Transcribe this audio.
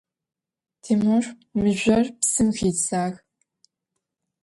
Timur mızjor psım xidzağ.